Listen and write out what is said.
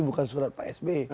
bukan surat psb